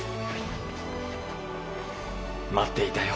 待っていたよ。